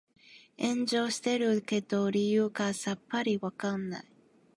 炎上してるけど理由がさっぱりわからない